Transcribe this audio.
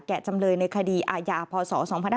แกะจำเลยในคดีอาญาพศ๒๕๔๔